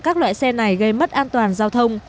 các loại xe này gây mất an toàn giao thông